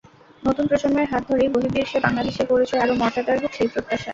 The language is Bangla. নতুন প্রজন্মের হাত ধরেই বহির্বিশ্বে বাংলাদেশের পরিচয় আরও মর্যাদার হোক সেই প্রত্যাশা।